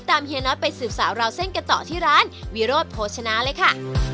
เฮียน็อตไปสืบสาวราวเส้นกันต่อที่ร้านวิโรธโภชนาเลยค่ะ